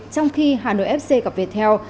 trong khi hà nội fc gặp viettel